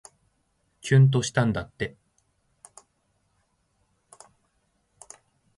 きゅんとしたんだって